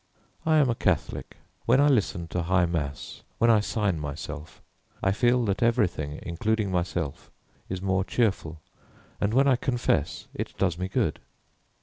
I am a Catholic. When I listen to high mass, when I sign myself, I feel that everything, including myself, is more cheerful, and when I confess, it does me good.